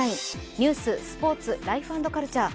ニュース、スポーツ、ライフ＆カルチャー